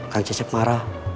kan cecep marah